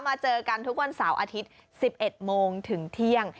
เจอกันทุกวันเสาร์อาทิตย์๑๑โมงถึงเที่ยง